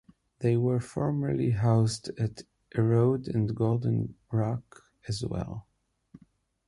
They were formerly housed at Erode and Golden Rock as well.